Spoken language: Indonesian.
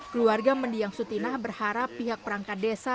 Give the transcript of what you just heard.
keluarga mendiang sutinah berharap pihak perangkat desa